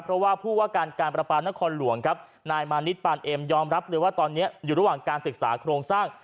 เพราะว่าผู้ว่าการการประปานครหลวงครับนายมานิดปานเอ็มยอมรับเลยว่าตอนนี้อยู่ระหว่างการศึกษาโครงสร้าง